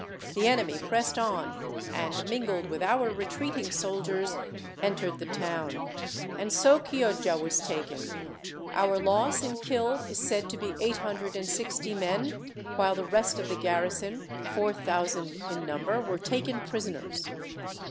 The enemy pressed on, and, mingled with our retreating soldiers, entered the town. And so Chioggia was taken. Our loss in killed is said to be eight hundred and sixty men; while the rest of the garrison four thousand in number were taken prisoners."